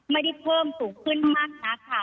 ไม่ได้เพิ่มสูงขึ้นมากนักค่ะ